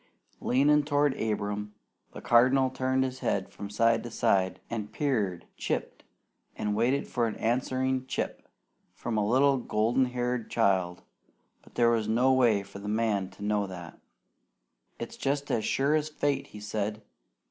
Leaning toward Abram, the Cardinal turned his head from side to side, and peered, "chipped," and waited for an answering "Chip" from a little golden haired child, but there was no way for the man to know that. "It's jest as sure as fate," he said.